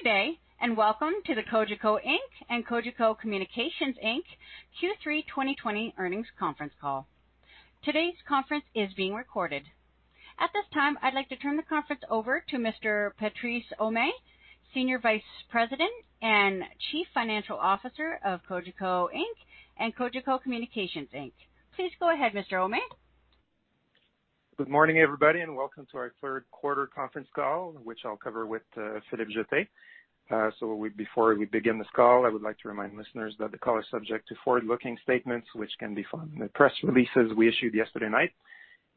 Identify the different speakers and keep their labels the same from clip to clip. Speaker 1: Good day, and welcome to the Cogeco Inc. and Cogeco Communications Inc. Q3 2020 earnings conference call. Today's conference is being recorded. At this time, I'd like to turn the conference over to Mr. Patrice Ouimet, Senior Vice President and Chief Financial Officer of Cogeco Inc. and Cogeco Communications Inc. Please go ahead, Mr. Ouimet.
Speaker 2: Good morning, everybody, and welcome to our third quarter conference call, which I'll cover with Philippe Jetté. Before we begin this call, I would like to remind listeners that the call is subject to forward-looking statements, which can be found in the press releases we issued yesterday night.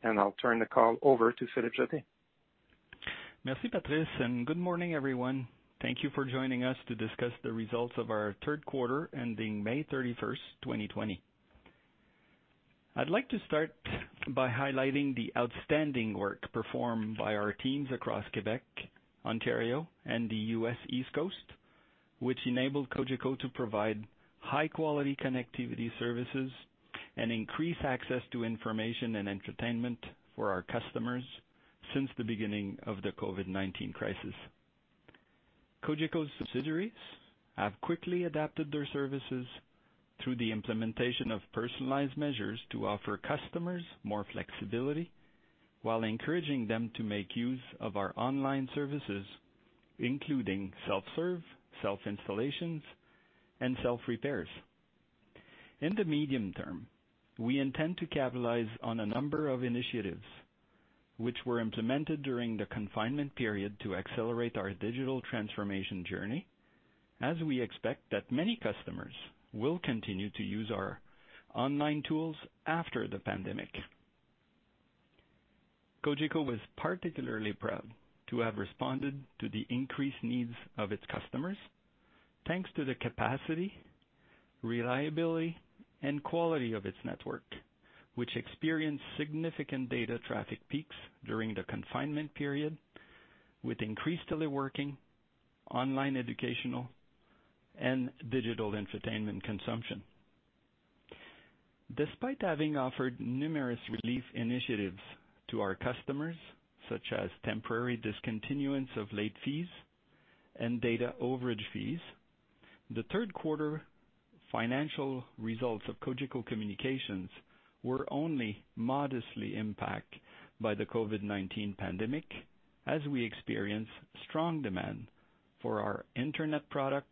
Speaker 2: I'll turn the call over to Philippe Jetté.
Speaker 3: Merci, Patrice. Good morning, everyone. Thank you for joining us to discuss the results of our third quarter, ending May 31st, 2020. I'd like to start by highlighting the outstanding work performed by our teams across Quebec, Ontario, and the U.S. East Coast, which enabled Cogeco to provide high-quality connectivity services and increase access to information and entertainment for our customers since the beginning of the COVID-19 crisis. Cogeco's subsidiaries have quickly adapted their services through the implementation of personalized measures to offer customers more flexibility while encouraging them to make use of our online services, including self-serve, self-installations, and self-repairs. In the medium term, we intend to capitalize on a number of initiatives which were implemented during the confinement period to accelerate our digital transformation journey, as we expect that many customers will continue to use our online tools after the pandemic. Cogeco was particularly proud to have responded to the increased needs of its customers, thanks to the capacity, reliability, and quality of its network, which experienced significant data traffic peaks during the confinement period with increased teleworking, online educational, and digital entertainment consumption. Despite having offered numerous relief initiatives to our customers, such as temporary discontinuance of late fees and data overage fees, the third quarter financial results of Cogeco Communications were only modestly impact by the COVID-19 pandemic, as we experienced strong demand for our internet product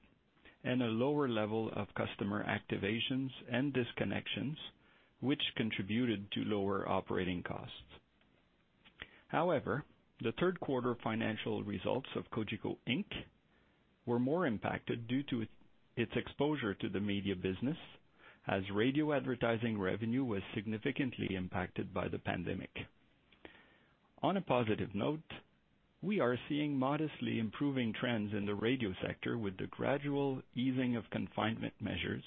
Speaker 3: and a lower level of customer activations and disconnections, which contributed to lower operating costs. However, the third-quarter financial results of Cogeco Inc. were more impacted due to its exposure to the media business, as radio advertising revenue was significantly impacted by the pandemic. On a positive note, we are seeing modestly improving trends in the radio sector with the gradual easing of confinement measures,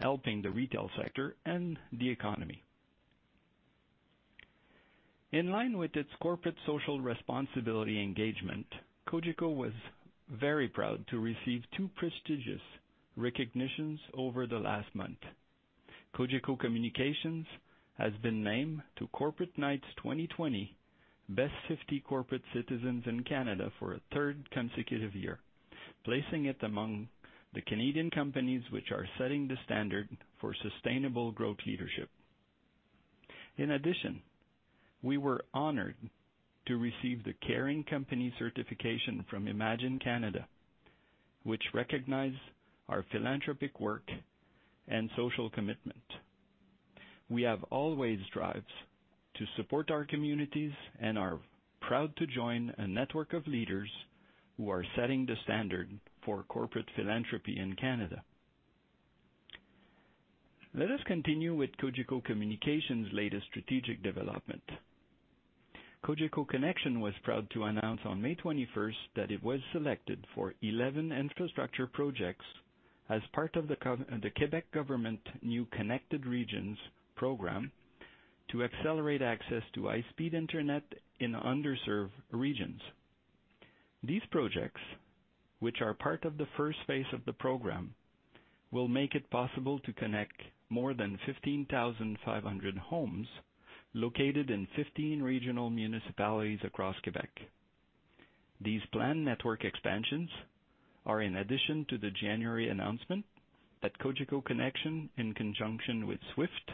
Speaker 3: helping the retail sector and the economy. In line with its corporate social responsibility engagement, Cogeco was very proud to receive two prestigious recognitions over the last month. Cogeco Communications has been named to Corporate Knights 2020 Best 50 Corporate Citizens in Canada for a third consecutive year, placing it among the Canadian companies which are setting the standard for sustainable growth leadership. In addition, we were honored to receive the Caring Company Certification from Imagine Canada, which recognized our philanthropic work and social commitment. We have always strived to support our communities and are proud to join a network of leaders who are setting the standard for corporate philanthropy in Canada. Let us continue with Cogeco Communications' latest strategic development. Cogeco Connexion was proud to announce on May 21st that it was selected for 11 infrastructure projects as part of the Quebec government new Connected Regions program to accelerate access to high-speed internet in underserved regions. These projects, which are part of the first phase of the program, will make it possible to connect more than 15,500 homes located in 15 regional municipalities across Quebec. These planned network expansions are in addition to the January announcement that Cogeco Connexion, in conjunction with SWIFT,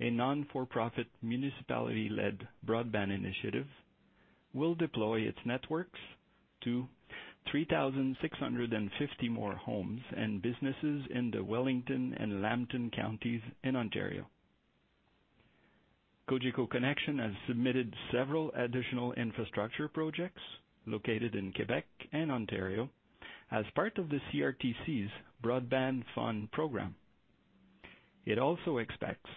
Speaker 3: a non-profit, municipally-led broadband initiative, will deploy its networks to 3,650 more homes and businesses in the Wellington and Lambton Counties in Ontario. Cogeco Connexion has submitted several additional infrastructure projects located in Quebec and Ontario as part of the CRTC's Broadband Fund program. It also expects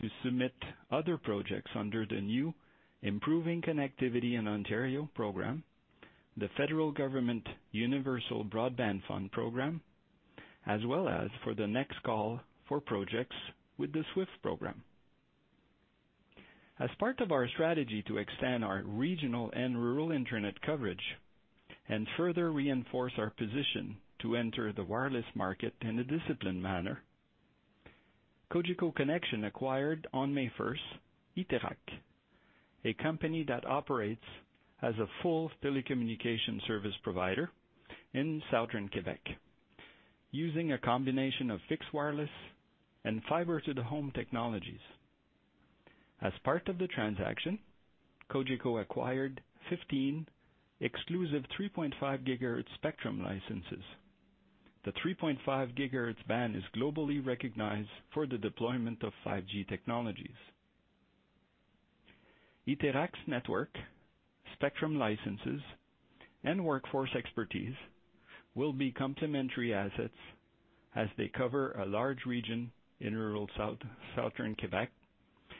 Speaker 3: to submit other projects under the new Improving Connectivity for Ontario program, the federal government Universal Broadband Fund program, as well as for the next call for projects with the SWIFT program. As part of our strategy to extend our regional and rural internet coverage and further reinforce our position to enter the wireless market in a disciplined manner, Cogeco Connexion acquired, on May 1st, iTéract, a company that operates as a full telecommunication service provider in southern Quebec, using a combination of fixed wireless and fiber-to-the-home technologies. As part of the transaction, Cogeco acquired 15 exclusive 3.5 gigahertz spectrum licenses. The 3.5 gigahertz band is globally recognized for the deployment of 5G technologies. iTéract's network, spectrum licenses, and workforce expertise will be complementary assets as they cover a large region in rural southern Quebec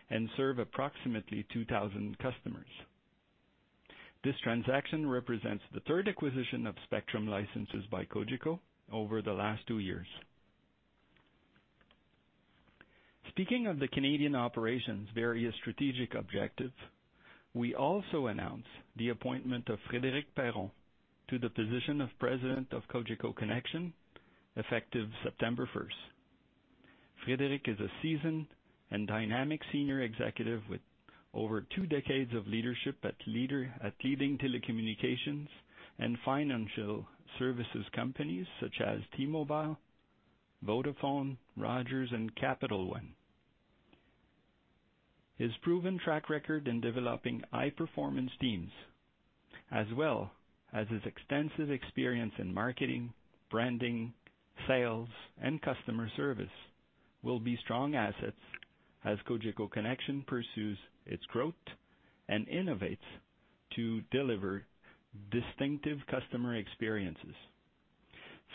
Speaker 3: and serve approximately 2,000 customers. This transaction represents the third acquisition of spectrum licenses by Cogeco over the last two years. Speaking of the Canadian operations' various strategic objectives, we also announce the appointment of Frédéric Perron to the position of President of Cogeco Connexion, effective September 1st. Frédéric is a seasoned and dynamic senior executive with over two decades of leadership at leading telecommunications and financial services companies such as T-Mobile, Vodafone, Rogers, and Capital One. His proven track record in developing high-performance teams, as well as his extensive experience in marketing, branding, sales, and customer service will be strong assets as Cogeco Connexion pursues its growth and innovates to deliver distinctive customer experiences.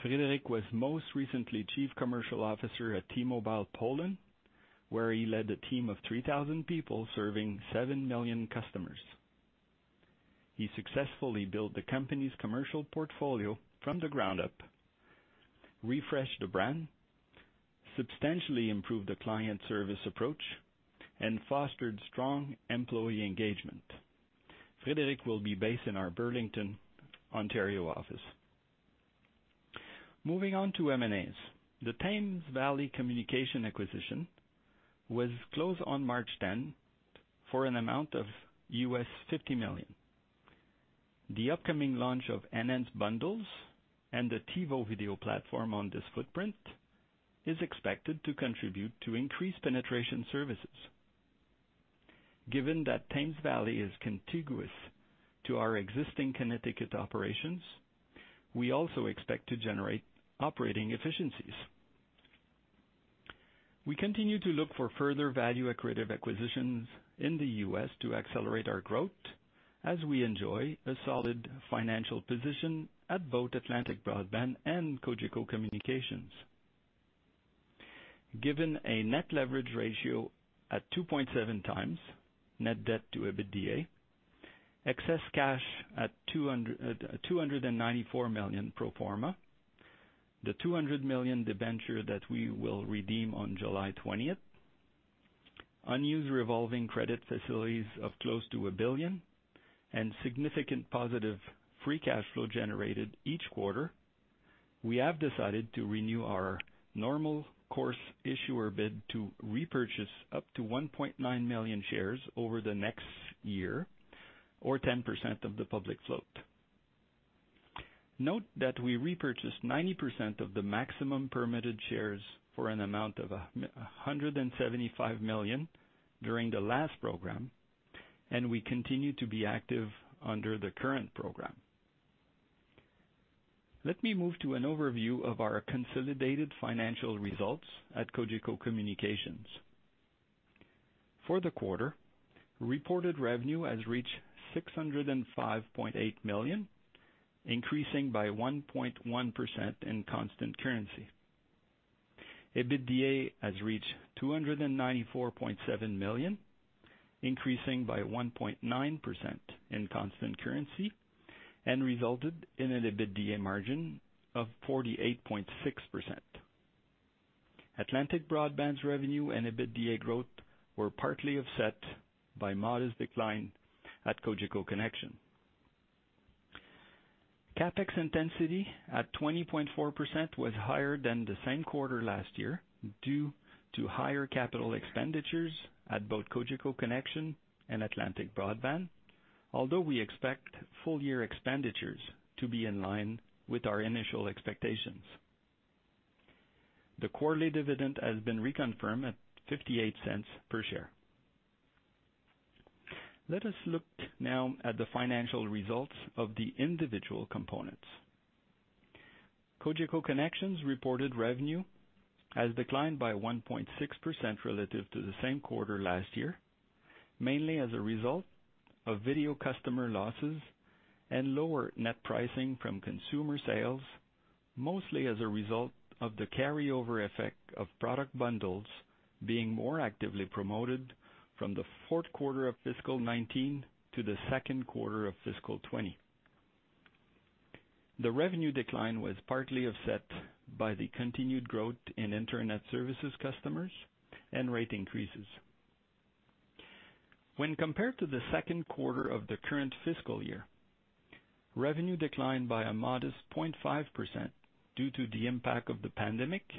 Speaker 3: Frédéric was most recently Chief Commercial Officer at T-Mobile Polska, where he led a team of 3,000 people serving seven million customers. He successfully built the company's commercial portfolio from the ground up, refreshed the brand, substantially improved the client service approach, and fostered strong employee engagement. Frédéric will be based in our Burlington, Ontario office. Moving on to M&As. The Thames Valley Communications acquisition was closed on March 10 for an amount of $50 million. The upcoming launch of enhanced bundles and the TiVo video platform on this footprint is expected to contribute to increased penetration services. Given that Thames Valley is contiguous to our existing Connecticut operations, we also expect to generate operating efficiencies. We continue to look for further value-accretive acquisitions in the U.S. to accelerate our growth as we enjoy a solid financial position at both Atlantic Broadband and Cogeco Communications. Given a net leverage ratio at 2.7 times net debt to EBITDA, excess cash at 294 million pro forma, the 200 million debenture that we will redeem on July 20th, unused revolving credit facilities of close to 1 billion, and significant positive free cash flow generated each quarter, we have decided to renew our normal course issuer bid to repurchase up to 1.9 million shares over the next year or 10% of the public float. Note that we repurchased 90% of the maximum permitted shares for an amount of 175 million during the last program, and we continue to be active under the current program. Let me move to an overview of our consolidated financial results at Cogeco Communications. For the quarter, reported revenue has reached 605.8 million, increasing by 1.1% in constant currency. EBITDA has reached 294.7 million, increasing by 1.9% in constant currency and resulted in an EBITDA margin of 48.6%. Atlantic Broadband's revenue and EBITDA growth were partly offset by modest decline at Cogeco Connexion. CapEx intensity at 20.4% was higher than the same quarter last year due to higher capital expenditures at both Cogeco Connexion and Atlantic Broadband, although we expect full-year expenditures to be in line with our initial expectations. The quarterly dividend has been reconfirmed at 0.58 per share. Let us look now at the financial results of the individual components. Cogeco Connexion's reported revenue has declined by 1.6% relative to the same quarter last year, mainly as a result of video customer losses and lower net pricing from consumer sales, mostly as a result of the carryover effect of product bundles being more actively promoted from the fourth quarter of fiscal 2019 to the second quarter of fiscal 2020. The revenue decline was partly offset by the continued growth in internet services customers and rate increases. When compared to the second quarter of the current fiscal year, revenue declined by a modest 0.5% due to the impact of the pandemic,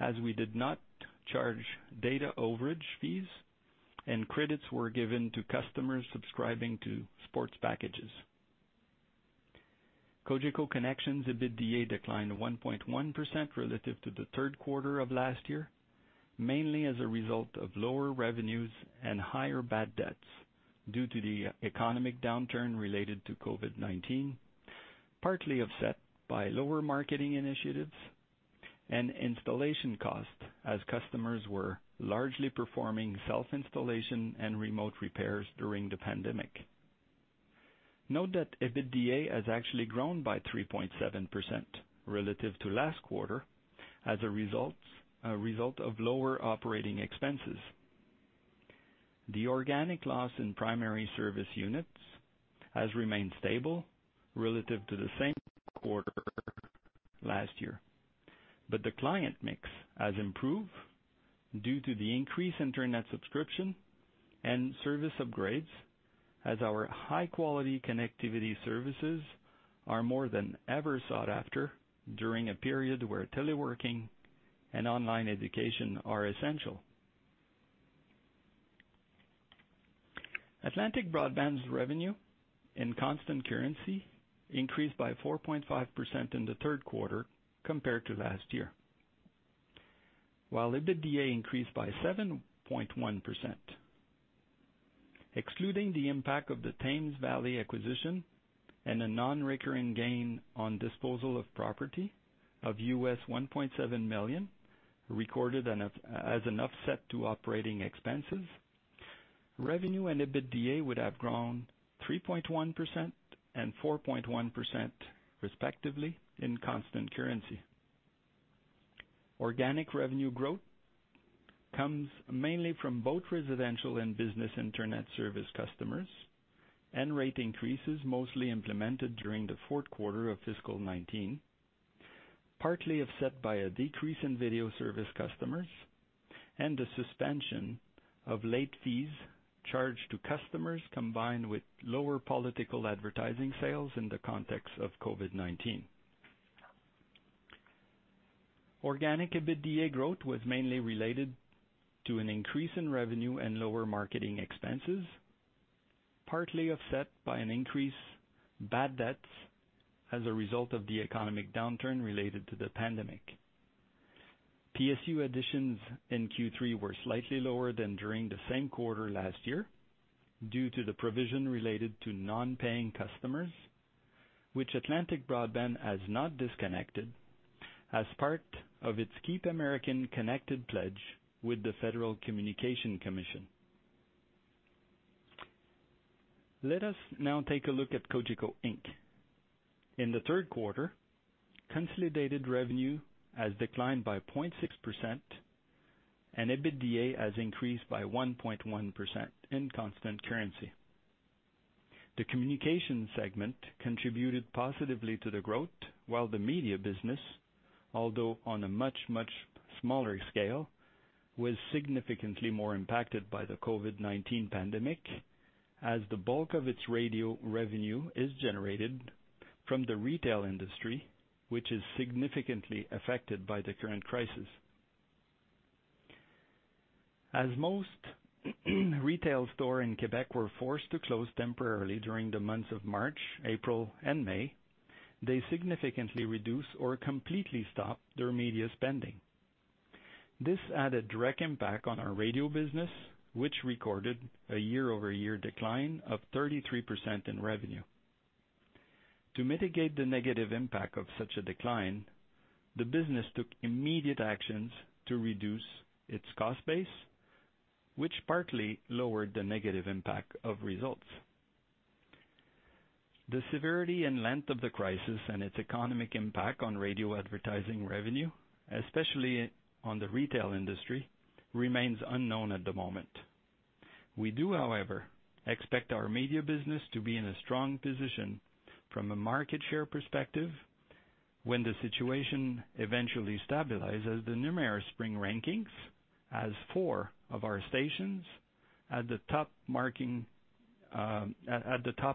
Speaker 3: as we did not charge data overage fees, and credits were given to customers subscribing to sports packages. Cogeco Connexion EBITDA declined 1.1% relative to the third quarter of last year, mainly as a result of lower revenues and higher bad debts due to the economic downturn related to COVID-19, partly offset by lower marketing initiatives and installation costs as customers were largely performing self-installation and remote repairs during the pandemic. Note that EBITDA has actually grown by 3.7% relative to last quarter as a result of lower operating expenses. The organic loss in primary service units has remained stable relative to the same quarter last year, but the client mix has improved due to the increase in internet subscription and service upgrades, as our high-quality connectivity services are more than ever sought after during a period where teleworking and online education are essential. Atlantic Broadband's revenue in constant currency increased by 4.5% in the third quarter compared to last year, while EBITDA increased by 7.1%. Excluding the impact of the Thames Valley acquisition and a non-recurring gain on disposal of property of $1.7 million, recorded as an offset to operating expenses, revenue and EBITDA would have grown 3.1% and 4.1%, respectively, in constant currency. Organic revenue growth comes mainly from both residential and business internet service customers, and rate increases mostly implemented during the fourth quarter of fiscal 2019, partly offset by a decrease in video service customers and the suspension of late fees charged to customers, combined with lower political advertising sales in the context of COVID-19. Organic EBITDA growth was mainly related to an increase in revenue and lower marketing expenses, partly offset by an increase in bad debts as a result of the economic downturn related to the pandemic. PSU additions in Q3 were slightly lower than during the same quarter last year due to the provision related to non-paying customers, which Atlantic Broadband has not disconnected as part of its Keep Americans Connected pledge with the Federal Communications Commission. Let us now take a look at Cogeco Inc. In the third quarter, consolidated revenue has declined by 0.6%, and EBITDA has increased by 1.1% in constant currency. The communication segment contributed positively to the growth, while the media business, although on a much, much smaller scale, was significantly more impacted by the COVID-19 pandemic, as the bulk of its radio revenue is generated from the retail industry, which is significantly affected by the current crisis. As most retail stores in Quebec were forced to close temporarily during the months of March, April, and May, they significantly reduced or completely stopped their media spending. This had a direct impact on our radio business, which recorded a year-over-year decline of 33% in revenue. To mitigate the negative impact of such a decline, the business took immediate actions to reduce its cost base, which partly lowered the negative impact of results. The severity and length of the crisis and its economic impact on radio advertising revenue, especially on the retail industry, remains unknown at the moment. We do, however, expect our media business to be in a strong position from a market share perspective when the situation eventually stabilizes. The Numeris spring rankings has four of our stations at the top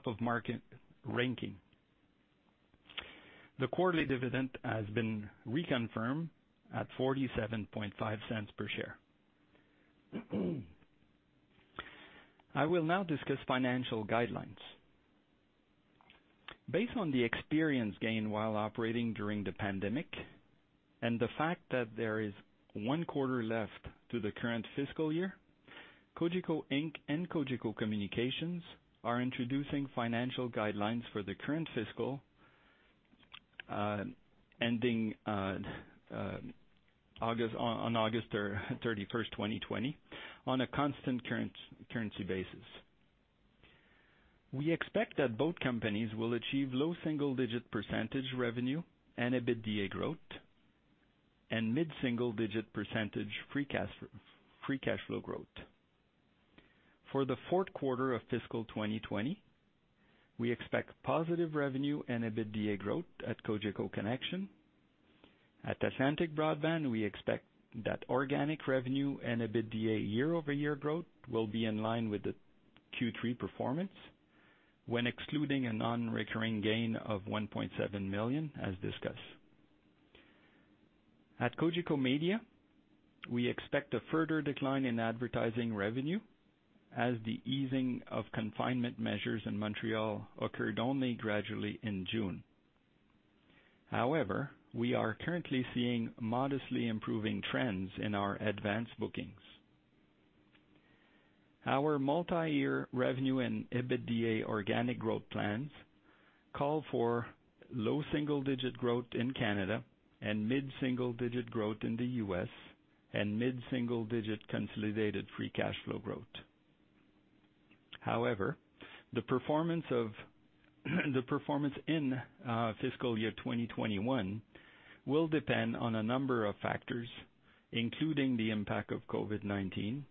Speaker 3: of market ranking. The quarterly dividend has been reconfirmed at 0.475 per share. I will now discuss financial guidelines. Based on the experience gained while operating during the pandemic and the fact that there is one quarter left to the current fiscal year, Cogeco Inc. and Cogeco Communications are introducing financial guidelines for the current fiscal ending on August 31, 2020, on a constant currency basis. We expect that both companies will achieve low single-digit % revenue and EBITDA growth and mid-single-digit % free cash flow growth. For the fourth quarter of fiscal 2020, we expect positive revenue and EBITDA growth at Cogeco Connexion. At Atlantic Broadband, we expect that organic revenue and EBITDA year-over-year growth will be in line with the Q3 performance when excluding a non-recurring gain of $1.7 million, as discussed. At Cogeco Media, we expect a further decline in advertising revenue as the easing of confinement measures in Montreal occurred only gradually in June. However, we are currently seeing modestly improving trends in our advance bookings. Our multi-year revenue and EBITDA organic growth plans call for low single-digit growth in Canada and mid-single-digit growth in the US and mid-single-digit consolidated free cash flow growth. The performance in fiscal year 2021 will depend on a number of factors, including the impact of COVID-19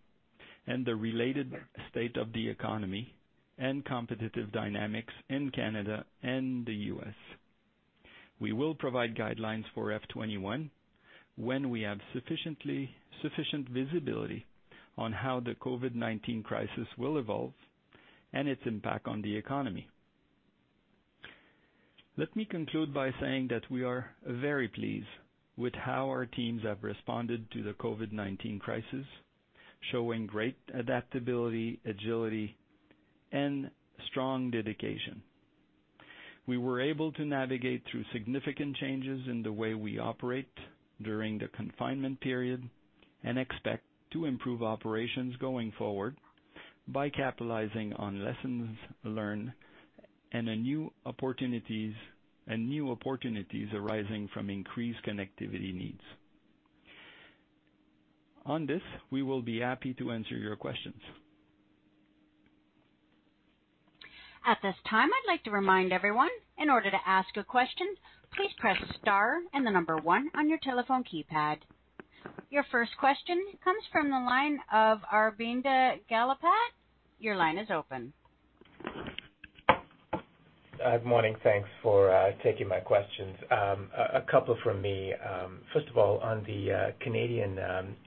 Speaker 3: and the related state of the economy and competitive dynamics in Canada and the US. We will provide guidelines for FY 2021 when we have sufficient visibility on how the COVID-19 crisis will evolve and its impact on the economy. Let me conclude by saying that we are very pleased with how our teams have responded to the COVID-19 crisis, showing great adaptability, agility, and strong dedication. We were able to navigate through significant changes in the way we operate during the confinement period and expect to improve operations going forward by capitalizing on lessons learned and new opportunities arising from increased connectivity needs. On this, we will be happy to answer your questions.
Speaker 1: At this time, I'd like to remind everyone, in order to ask a question, please press star and the number one on your telephone keypad. Your first question comes from the line of Aravinda Galappatthige. Your line is open.
Speaker 4: Good morning. Thanks for taking my questions. A couple from me. First of all, on the Canadian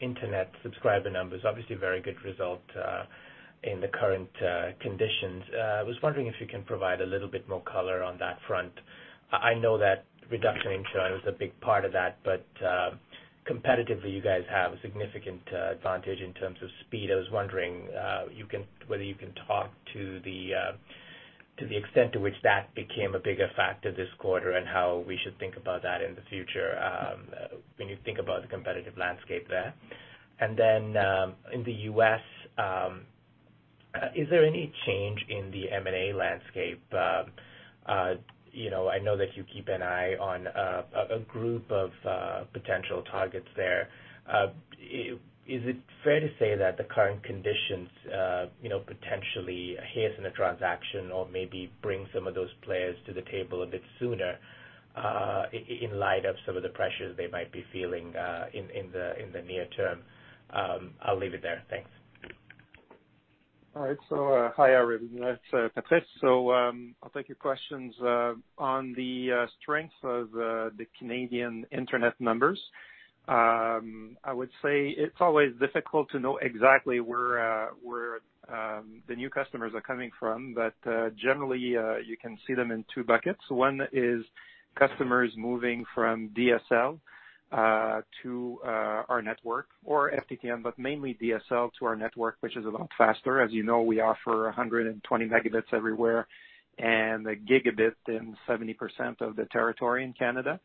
Speaker 4: internet subscriber numbers, obviously a very good result in the current conditions. I was wondering if you can provide a little bit more color on that front. I know that reduction in churn was a big part of that, but competitively, you guys have a significant advantage in terms of speed. I was wondering whether you can talk to the extent to which that became a bigger factor this quarter, and how we should think about that in the future when you think about the competitive landscape there. In the U.S., is there any change in the M&A landscape? I know that you keep an eye on a group of potential targets there. Is it fair to say that the current conditions potentially hasten a transaction or maybe bring some of those players to the table a bit sooner in light of some of the pressures they might be feeling in the near term? I'll leave it there. Thanks.
Speaker 2: All right. Hi Aravinda. It's Patrice. I'll take your questions. On the strength of the Canadian internet numbers, I would say it's always difficult to know exactly where the new customers are coming from. Generally, you can see them in two buckets. One is customers moving from DSL to our network or FTTN, mainly DSL to our network, which is a lot faster. As you know, we offer 120 megabits everywhere and a gigabit in 70% of the territory in Canada.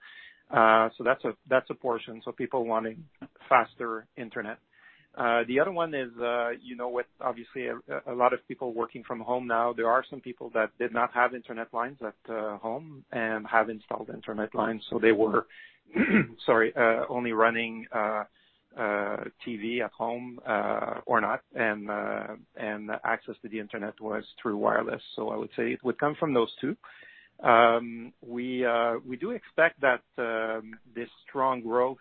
Speaker 2: That's a portion. People wanting faster internet. The other one is with obviously a lot of people working from home now, there are some people that did not have internet lines at home and have installed internet lines, they were sorry, only running TV at home, or not, and access to the internet was through wireless. I would say it would come from those two. We do expect that this strong growth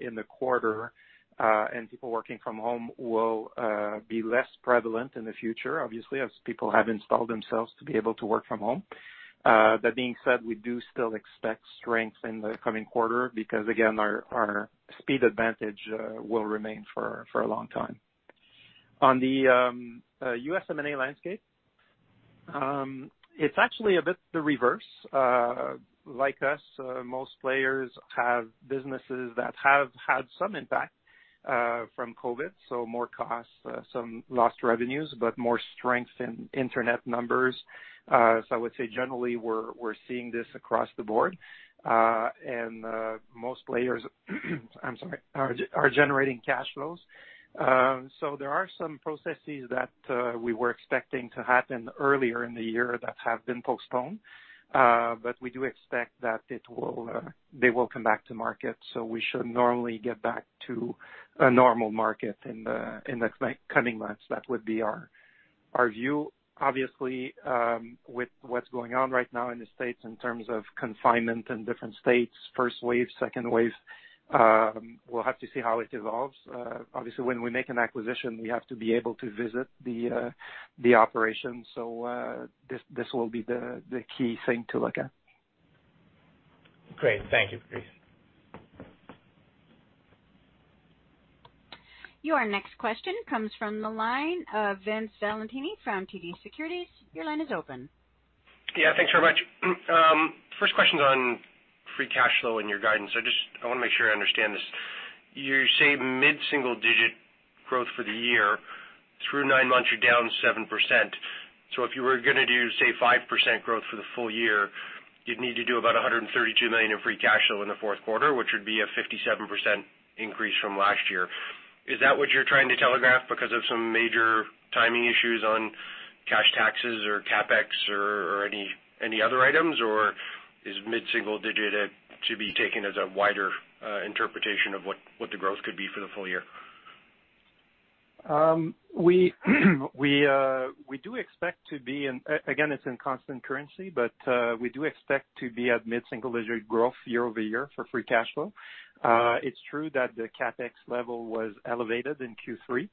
Speaker 2: in the quarter and people working from home will be less prevalent in the future, obviously, as people have installed themselves to be able to work from home. That being said, we do still expect strength in the coming quarter because, again, our speed advantage will remain for a long time. On the U.S. M&A landscape, it's actually a bit the reverse. Like us, most players have businesses that have had some impact from COVID-19, so more costs, some lost revenues, but more strength in internet numbers. I would say generally, we're seeing this across the board, and most players I'm sorry, are generating cash flows. There are some processes that we were expecting to happen earlier in the year that have been postponed. We do expect that they will come back to market, so we should normally get back to a normal market in the coming months. That would be our view. Obviously, with what's going on right now in the States in terms of confinement in different states, first wave, second wave, we'll have to see how it evolves. Obviously, when we make an acquisition, we have to be able to visit the operations. This will be the key thing to look at.
Speaker 4: Great. Thank you, Patrice.
Speaker 1: Your next question comes from the line of Vince Valentini from TD Securities. Your line is open.
Speaker 5: Thanks very much. First question's on free cash flow in your guidance. I want to make sure I understand this. You say mid-single-digit growth for the year. Through nine months, you're down 7%. If you were going to do, say, 5% growth for the full year, you'd need to do about 132 million in free cash flow in the fourth quarter, which would be a 57% increase from last year. Is that what you're trying to telegraph because of some major timing issues on cash taxes or CapEx or any other items? Is mid-single digit to be taken as a wider interpretation of what the growth could be for the full year?
Speaker 2: We do expect to be, again, it's in constant currency, but we do expect to be at mid-single-digit growth year-over-year for free cash flow. It's true that the CapEx level was elevated in Q3.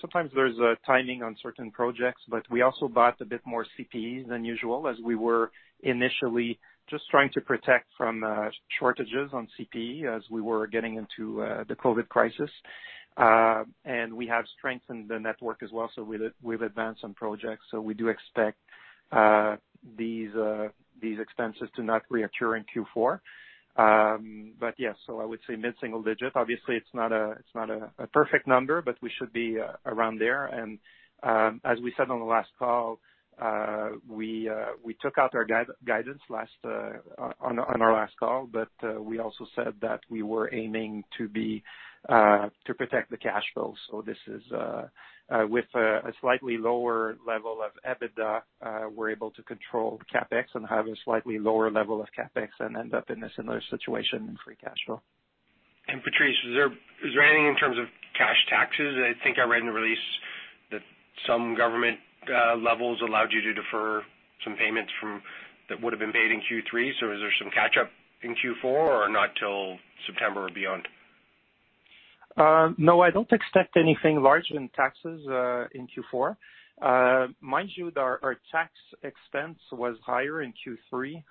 Speaker 2: Sometimes there's a timing on certain projects, but we also bought a bit more CPE than usual as we were initially just trying to protect from shortages on CPE as we were getting into the COVID-19 crisis. We have strengthened the network as well, so we've advanced some projects. We do expect these expenses to not reoccur in Q4. Yes, so I would say mid-single digit. Obviously, it's not a perfect number, but we should be around there. As we said on the last call, we took out our guidance on our last call, but we also said that we were aiming to protect the cash flow. With a slightly lower level of EBITDA, we're able to control CapEx and have a slightly lower level of CapEx and end up in a similar situation in free cash flow.
Speaker 5: Patrice, is there anything in terms of cash taxes? I think I read in the release that some government levels allowed you to defer some payments that would've been paid in Q3. Is there some catch-up in Q4 or not till September or beyond?
Speaker 2: I don't expect anything large in taxes in Q4. Mind you, our tax expense was higher in Q3.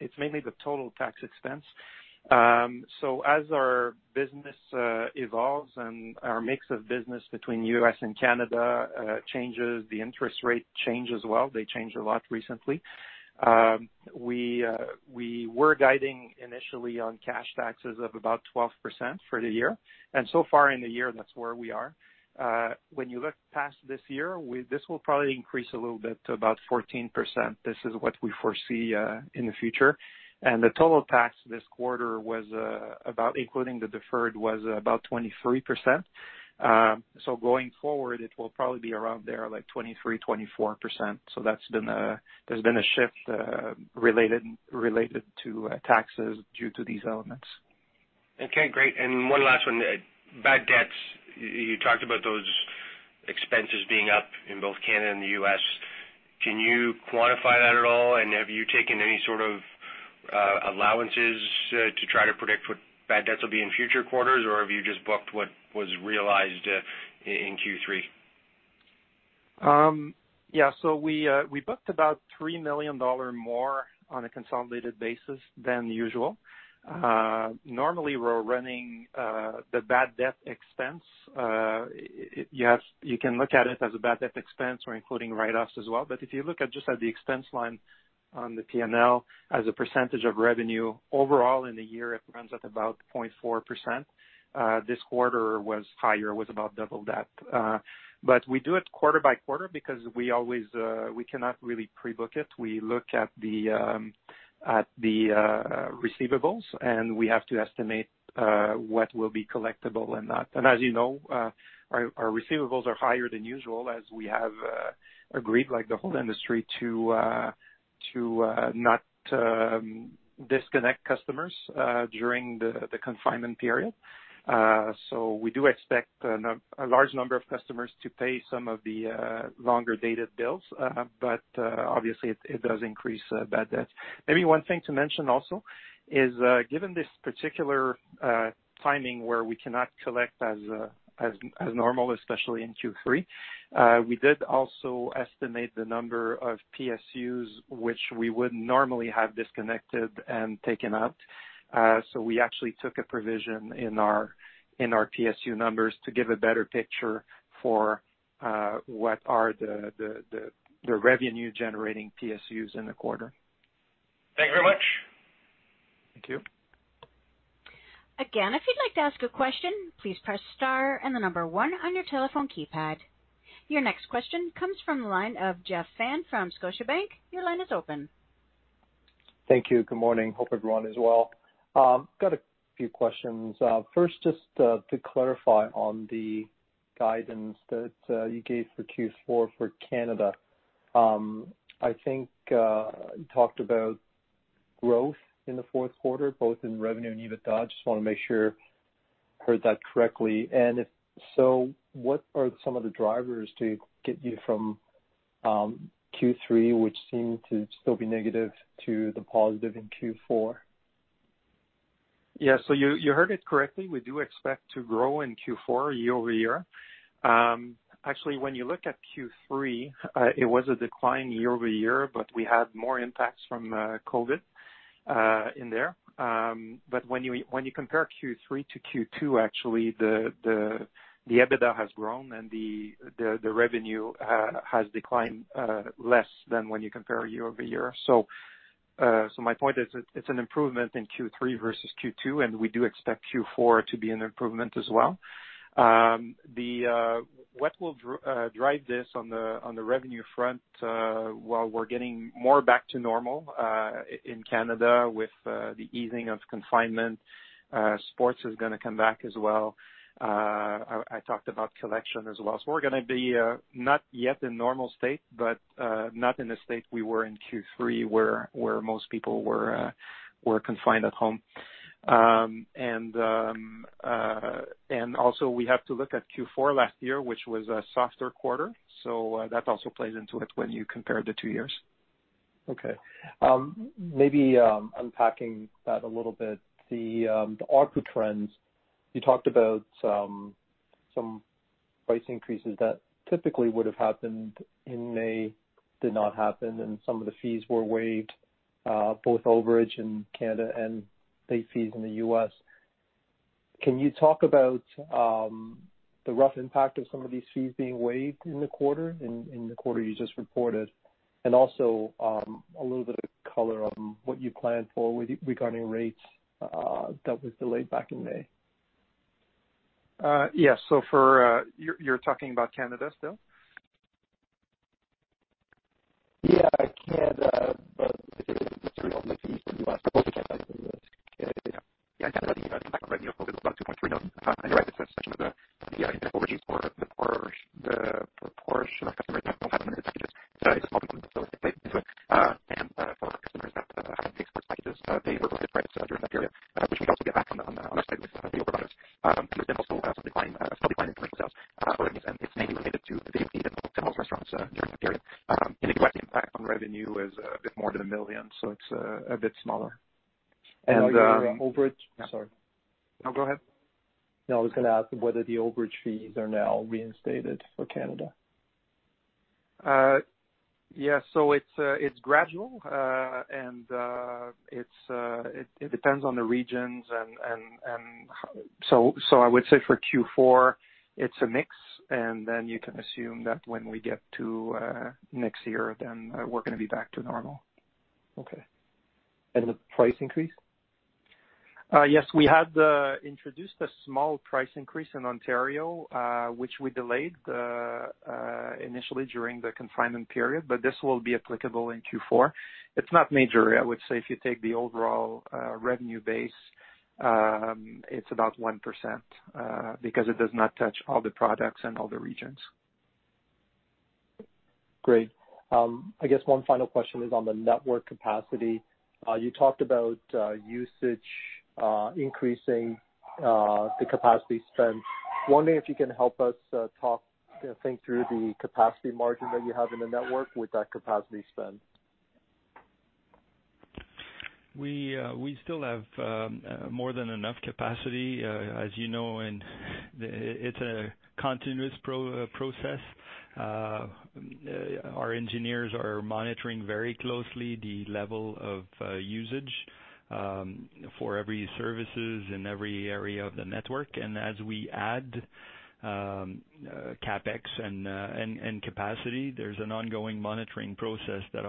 Speaker 2: It's mainly the total tax expense. As our business evolves and our mix of business between U.S. and Canada changes, the interest rate change as well. They changed a lot recently. We were guiding initially on cash taxes of about 12% for the year, so far in the year, that's where we are. When you look past this year, this will probably increase a little bit to about 14%. This is what we foresee in the future. The total tax this quarter, including the deferred, was about 23%. Going forward, it will probably be around there, like 23%, 24%. There's been a shift related to taxes due to these elements.
Speaker 5: Okay, great. One last one. Bad debts. You talked about those expenses being up in both Canada and the U.S. Can you quantify that at all? Have you taken any sort of allowances to try to predict what bad debts will be in future quarters? Have you just booked what was realized in Q3?
Speaker 2: Yeah. We booked about 3 million dollar more on a consolidated basis than usual. Normally, we're running the bad debt expense. You can look at it as a bad debt expense. We're including write-offs as well. If you look just at the expense line on the P&L as a percentage of revenue, overall in the year, it runs at about 0.4%. This quarter was higher, it was about double that. We do it quarter by quarter because we cannot really pre-book it. We look at the receivables, we have to estimate what will be collectible and not. As you know, our receivables are higher than usual as we have agreed, like the whole industry, to not disconnect customers during the confinement period. We do expect a large number of customers to pay some of the longer-dated bills. Obviously, it does increase bad debts. Maybe one thing to mention also is, given this particular timing where we cannot collect as normal, especially in Q3, we did also estimate the number of PSUs which we would normally have disconnected and taken out. We actually took a provision in our PSU numbers to give a better picture for what are the revenue-generating PSUs in the quarter.
Speaker 5: Thank you very much.
Speaker 2: Thank you.
Speaker 1: Again, if you'd like to ask a question, please press star and the number one on your telephone keypad. Your next question comes from the line of Jeff Fan from Scotiabank. Your line is open.
Speaker 6: Thank you. Good morning. Hope everyone is well. Got a few questions. First, just to clarify on the guidance that you gave for Q4 for Canada. I think you talked about growth in the fourth quarter, both in revenue and EBITDA. I just want to make sure I heard that correctly. If so, what are some of the drivers to get you from Q3, which seemed to still be negative, to the positive in Q4?
Speaker 2: Yeah. You heard it correctly. We do expect to grow in Q4 year-over-year. Actually, when you look at Q3, it was a decline year-over-year, but we had more impacts from COVID-19 in there. When you compare Q3 to Q2, actually, the EBITDA has grown and the revenue has declined less than when you compare year-over-year. My point is, it's an improvement in Q3 versus Q2, and we do expect Q4 to be an improvement as well. What will drive this on the revenue front, while we're getting more back to normal in Canada with the easing of confinement, sports is going to come back as well. I talked about collection as well. We're going to be not yet in normal state, but not in a state we were in Q3 where most people were confined at home. Also we have to look at Q4 last year, which was a softer quarter. That also plays into it when you compare the two years.
Speaker 6: Okay. Maybe unpacking that a little bit, the ARPU trends, you talked about some price increases that typically would have happened in May did not happen, and some of the fees were waived, both overage in Canada and late fees in the U.S. Can you talk about the rough impact of some of these fees being waived in the quarter you just reported? Also, a little bit of color on what you planned for regarding rates that was delayed back in May.
Speaker 2: Yes. You're talking about Canada still?
Speaker 6: Yeah, Canada, but if it is material maybe for U.S. Both Canada and U.S.
Speaker 2: In Canada, the impact on revenue of COVID was about 2.3 million. You're right, a section of the overage for the proportion of customers that don't have unlimited packages. It's a small component, so it's baked into it. For customers that have the sports packages, they were ahead of credit during that period, which we also get back on our side with video providers. It was then also a small decline in point-of-sales earnings, and it's mainly related to the decline in hotels, restaurants during that period. In Quebec, the impact on revenue was a bit more than 1 million, so it's a bit smaller.
Speaker 6: Overage Sorry.
Speaker 2: No, go ahead.
Speaker 6: No, I was gonna ask whether the overage fees are now reinstated for Canada?
Speaker 2: Yeah. It's gradual, and it depends on the regions and I would say for Q4, it's a mix, and you can assume that when we get to next year, We're gonna be back to normal.
Speaker 6: Okay. The price increase?
Speaker 2: Yes. We had introduced a small price increase in Ontario, which we delayed initially during the confinement period, but this will be applicable in Q4. It's not major. I would say if you take the overall revenue base, it's about 1%, because it does not touch all the products and all the regions.
Speaker 6: Great. I guess one final question is on the network capacity. You talked about usage increasing the capacity spend. Wondering if you can help us think through the capacity margin that you have in the network with that capacity spend?
Speaker 2: We still have more than enough capacity, as you know, and it's a continuous process. Our engineers are monitoring very closely the level of usage for every services in every area of the network. As we add CapEx and capacity, there's an ongoing monitoring process that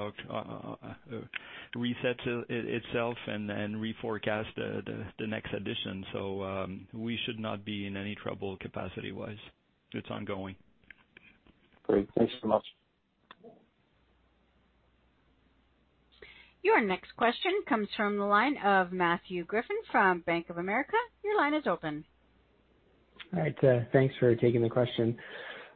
Speaker 2: resets itself and reforecast the next addition. We should not be in any trouble capacity-wise. It's ongoing.
Speaker 6: Great. Thanks so much.
Speaker 1: Your next question comes from the line of Matthew Griffiths from Bank of America. Your line is open.
Speaker 7: All right. Thanks for taking the question.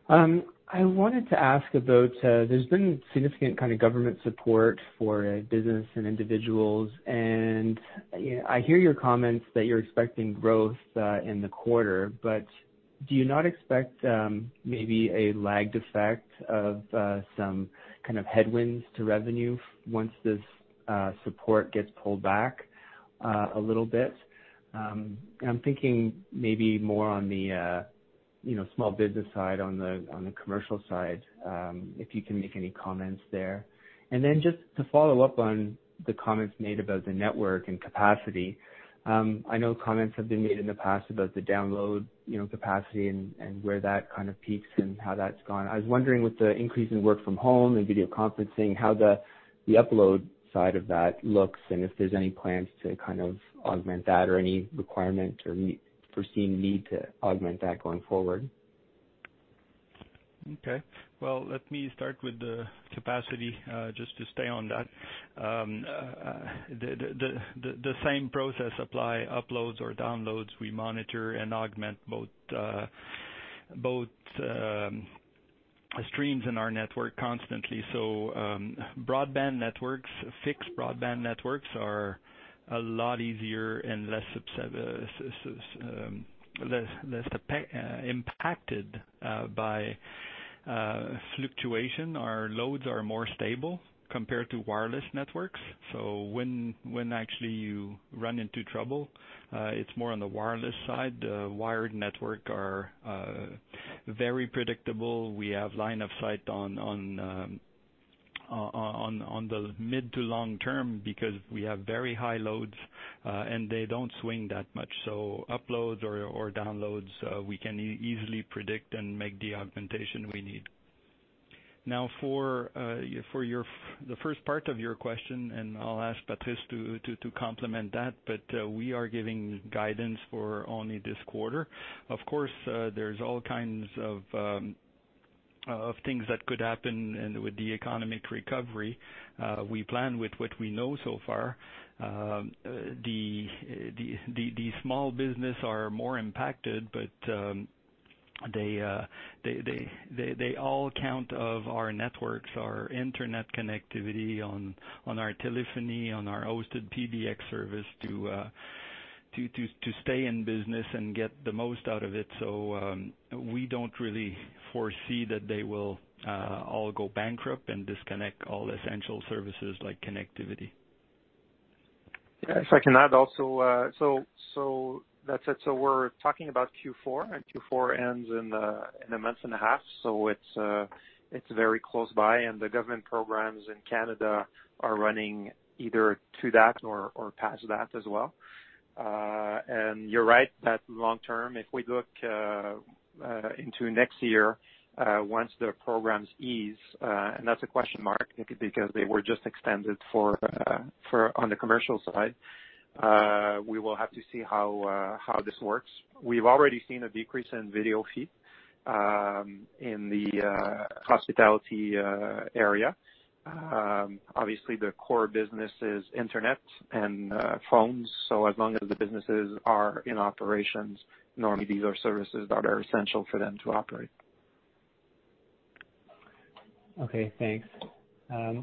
Speaker 7: I wanted to ask about, there's been significant kind of government support for business and individuals, and I hear your comments that you're expecting growth in the quarter, but do you not expect maybe a lagged effect of some kind of headwinds to revenue once this support gets pulled back a little bit? I'm thinking maybe more on the small business side, on the commercial side, if you can make any comments there. Just to follow up on the comments made about the network and capacity. I know comments have been made in the past about the download capacity and where that kind of peaks and how that's gone. I was wondering with the increase in work from home and video conferencing, how the upload side of that looks, and if there's any plans to augment that or any requirement or foreseen need to augment that going forward.
Speaker 3: Okay. Well, let me start with the capacity, just to stay on that. The same process applies, uploads or downloads. We monitor and augment both streams in our network constantly. Fixed broadband networks are a lot easier and less impacted by fluctuation. Our loads are more stable compared to wireless networks. When actually you run into trouble, it's more on the wireless side. Wired network are very predictable. We have line of sight on the mid to long term because we have very high loads, and they don't swing that much. Uploads or downloads, we can easily predict and make the augmentation we need. Now for the first part of your question, and I'll ask Patrice to complement that, but we are giving guidance for only this quarter. Of course, there's all kinds of things that could happen with the economic recovery. We plan with what we know so far. The small business are more impacted, but they all count of our networks, our internet connectivity on our telephony, on our hosted PBX service to stay in business and get the most out of it. We don't really foresee that they will all go bankrupt and disconnect all essential services like connectivity.
Speaker 2: If I can add also, that said, we're talking about Q4, and Q4 ends in a month and a half. It's very close by, and the government programs in Canada are running either to that or past that as well. You're right that long term, if we look into next year, once the programs ease, and that's a question mark because they were just extended on the commercial side. We will have to see how this works. We've already seen a decrease in video feed in the hospitality area. Obviously, the core business is internet and phones. As long as the businesses are in operations, normally these are services that are essential for them to operate.
Speaker 7: Okay. Thanks.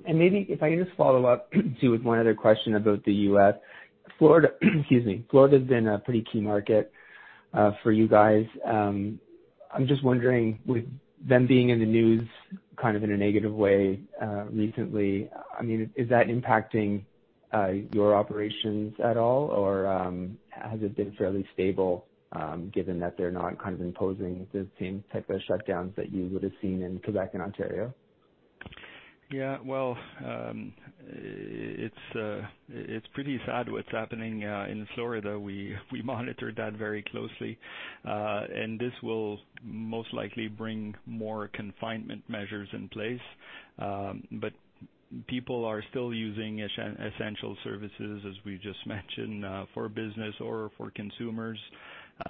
Speaker 7: Maybe if I can just follow up too with one other question about the U.S. Florida has been a pretty key market for you guys. I'm just wondering, with them being in the news kind of in a negative way recently, is that impacting your operations at all, or has it been fairly stable, given that they're not kind of imposing the same type of shutdowns that you would've seen in Quebec and Ontario?
Speaker 3: Well, it's pretty sad what's happening in Florida. This will most likely bring more confinement measures in place. People are still using essential services, as we just mentioned, for business or for consumers.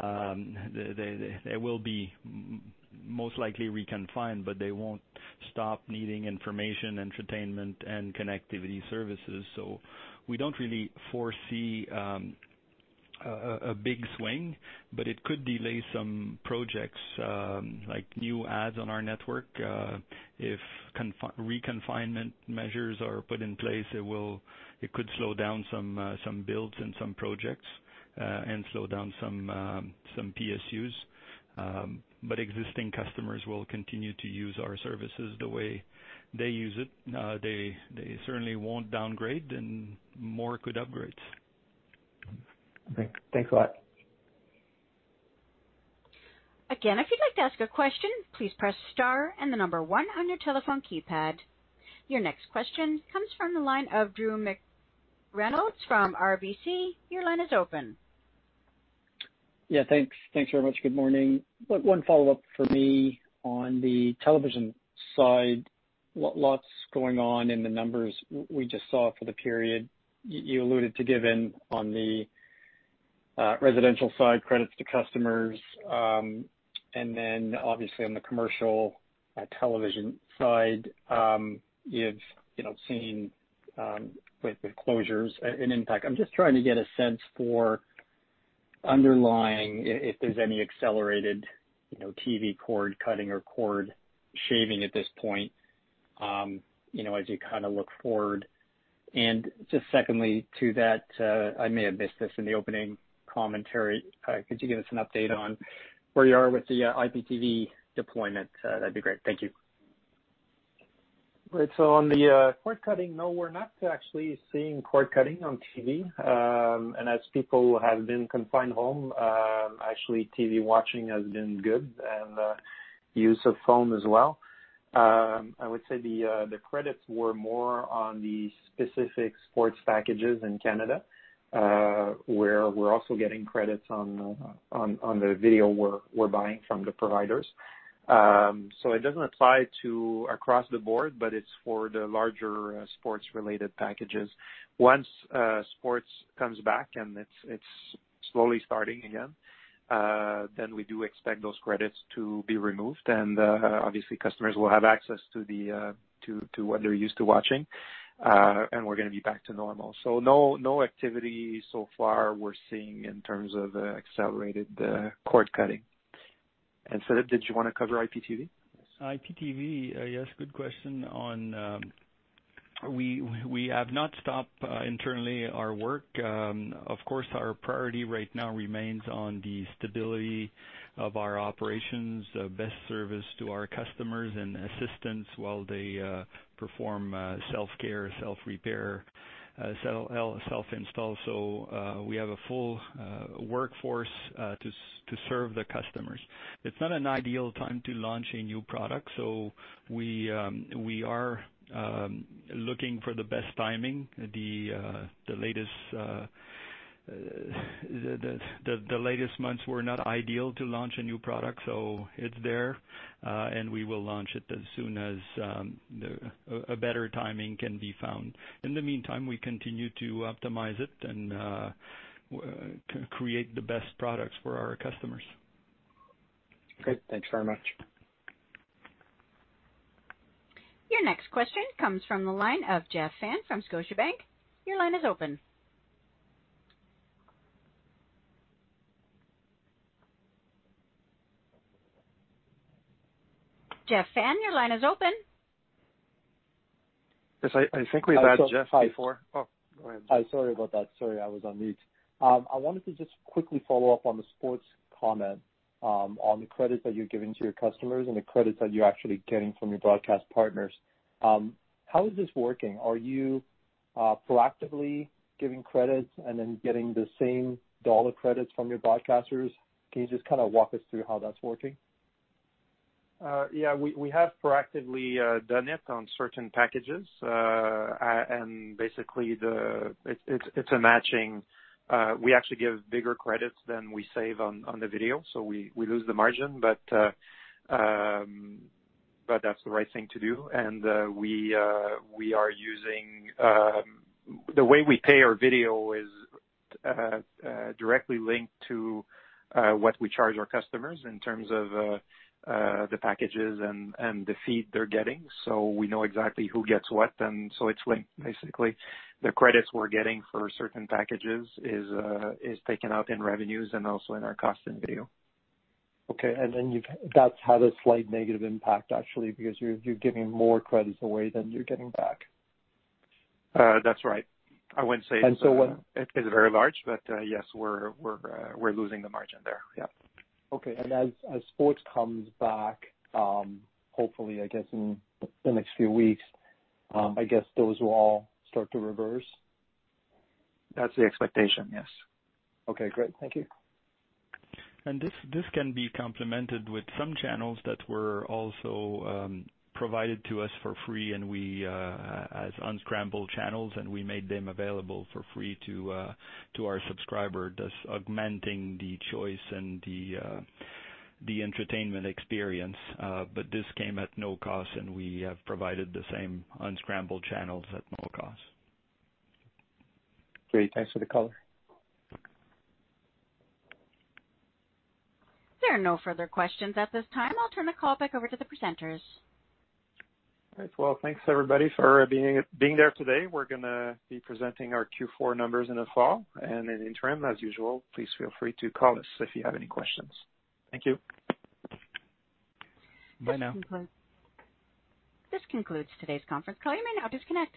Speaker 3: They will be most likely re-confined, they won't stop needing information, entertainment, and connectivity services. We don't really foresee a big swing, it could delay some projects, like new adds on our network. If re-confinement measures are put in place, it could slow down some builds and some projects, and slow down some PSUs. Existing customers will continue to use our services the way they use it. They certainly won't downgrade, more could upgrade.
Speaker 7: Okay. Thanks a lot.
Speaker 1: Again, if you'd like to ask a question, please press star and the number one on your telephone keypad. Your next question comes from the line of Drew McReynolds from RBC. Your line is open.
Speaker 8: Yeah. Thanks very much. Good morning. One follow-up for me on the television side. Lots going on in the numbers we just saw for the period. You alluded to given on the residential side credits to customers. Obviously on the commercial television side, you've seen with the closures an impact. I'm just trying to get a sense for underlying if there's any accelerated TV cord cutting or cord shaving at this point as you look forward. Just secondly to that, I may have missed this in the opening commentary, could you give us an update on where you are with the IPTV deployment? That'd be great. Thank you.
Speaker 2: Right. On the cord cutting, no, we're not actually seeing cord cutting on TV. As people have been confined home, actually TV watching has been good and use of phone as well. I would say the credits were more on the specific sports packages in Canada, where we're also getting credits on the video we're buying from the providers. It doesn't apply to across the board, but it's for the larger sports-related packages. Once sports comes back and it's slowly starting again, then we do expect those credits to be removed. Obviously customers will have access to what they're used to watching, and we're going to be back to normal. No activity so far we're seeing in terms of accelerated cord cutting. Philippe, did you want to cover IPTV?
Speaker 3: IPTV, yes. Good question. We have not stopped, internally, our work. Of course, our priority right now remains on the stability of our operations, best service to our customers, and assistance while they perform self-care, self-repair, self-install. We have a full workforce to serve the customers. It's not an ideal time to launch a new product. We are looking for the best timing. The latest months were not ideal to launch a new product. It's there, and we will launch it as soon as a better timing can be found. In the meantime, we continue to optimize it and create the best products for our customers.
Speaker 8: Great. Thanks very much.
Speaker 1: Your next question comes from the line of Jeff Fan from Scotiabank. Your line is open. Jeff Fan, your line is open.
Speaker 3: Yes, I think we've had Jeff before. Oh, go ahead.
Speaker 6: Hi, sorry about that. Sorry, I was on mute. I wanted to just quickly follow up on the sports comment, on the credits that you're giving to your customers and the credits that you're actually getting from your broadcast partners. How is this working? Are you proactively giving credits and then getting the same dollar credits from your broadcasters? Can you just walk us through how that's working?
Speaker 2: Yeah. We have proactively done it on certain packages. Basically, it's a matching. We actually give bigger credits than we save on the video, so we lose the margin. That's the right thing to do. The way we pay our video is directly linked to what we charge our customers in terms of the packages and the feed they're getting. We know exactly who gets what, and so it's linked. Basically, the credits we're getting for certain packages is taken out in revenues and also in our cost in video.
Speaker 6: Okay. That's had a slight negative impact, actually, because you're giving more credits away than you're getting back.
Speaker 2: That's right.
Speaker 6: And so when-
Speaker 2: Is it very large? but yes, we're losing the margin there. Yeah.
Speaker 6: Okay. As sports comes back, hopefully, I guess, in the next few weeks, I guess those will all start to reverse.
Speaker 2: That's the expectation, yes.
Speaker 6: Okay, great. Thank you.
Speaker 3: This can be complemented with some channels that were also provided to us for free as unscrambled channels, and we made them available for free to our subscriber, thus augmenting the choice and the entertainment experience. This came at no cost, and we have provided the same unscrambled channels at no cost.
Speaker 6: Great. Thanks for the color.
Speaker 1: There are no further questions at this time. I'll turn the call back over to the presenters.
Speaker 3: All right. Well, thanks everybody for being there today. We're going to be presenting our Q4 numbers in the fall. In the interim, as usual, please feel free to call us if you have any questions. Thank you.
Speaker 6: Bye now.
Speaker 1: This concludes today's conference call. You may now disconnect.